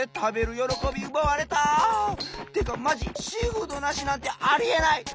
よろこびうばわれた！ってかマジシーフードなしなんてありえない！